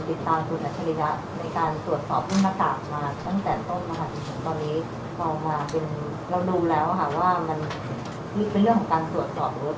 ตอนนี้ต่อมาเป็นเราดูแล้วค่ะว่ามันเป็นเรื่องของการตรวจสอบ